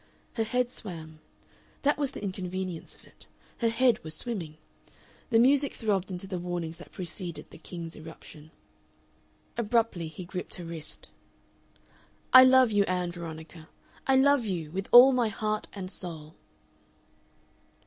Her head swam. That was the inconvenience of it; her head was swimming. The music throbbed into the warnings that preceded the king's irruption. Abruptly he gripped her wrist. "I love you, Ann Veronica. I love you with all my heart and soul."